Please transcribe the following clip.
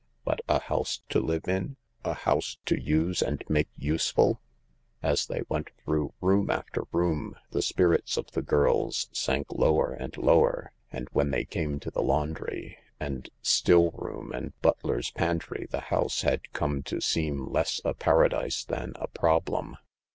But a house to live in ? A house to use and make useful ? As they went through room after room the spirits of the girls sank lower and lower, and when they came to the laundry and still room and butler's pantry the house had come to seem less a Paradise than a problem.